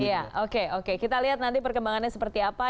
ya oke kita lihat nanti perkembangannya seperti apa